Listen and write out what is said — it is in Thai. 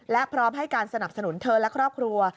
และพร้อมให้การสนับสนุนเธอและครอบครัว